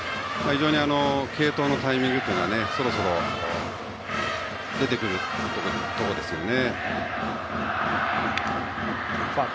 継投のタイミングというのがそろそろ出てくるところですよね。